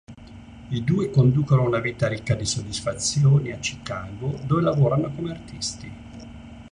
I due conducono una vita ricca di soddisfazioni a Chicago, dove lavorano come artisti.